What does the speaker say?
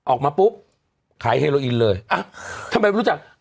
ออกมาปุ๊บขายเฮโลอินเลยอ่ะทำไมไม่รู้จัก